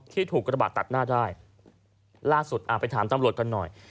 ถูกกระบาดตัดหน้าได้ล่าสุดอ่าไปถามตำรวจกันหน่อย